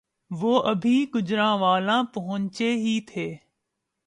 وہ ابھی گوجرانوالہ پہنچے ہی تھے